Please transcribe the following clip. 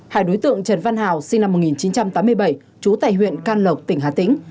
hai đối tượng trần văn hào sinh năm một nghìn chín trăm tám mươi bảy trú tại huyện can lộc tỉnh hà tĩnh